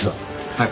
はい。